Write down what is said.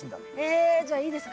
えじゃあいいですか？